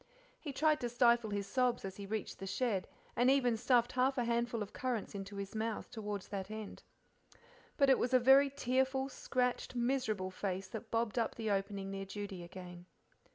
He tried to stifle his sobs as he reached the shed, and even stuffed half a handful of currants into his mouth towards that end. But it was a very tearful, scratched, miserable face that bobbed up the opening near Judy again.